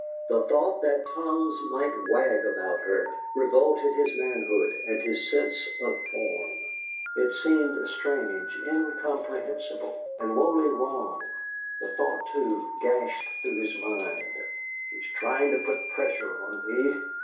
The thought that tongues might wag about her revolted his manhood and his sense of form. It seemed strange, incomprehensible, and wholly wrong; the thought, too, gashed through his mind: 'She is trying to put pressure on me!'